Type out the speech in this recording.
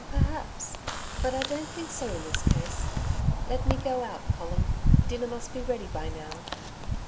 'Perhaps. But I don't think so in this case. Let me go out, Colin. Dinner must be ready by now.'